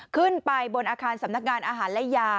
ขึ้นไปบนอาคารสำนักงานอาหารและยา